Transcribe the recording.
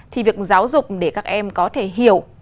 thì việc giáo dục để các em có thể hiểu